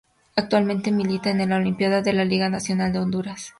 Actualmente milita en el Olimpia de la Liga Nacional de Honduras.